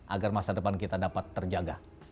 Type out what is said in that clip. agar masa depan kita dapat terjaga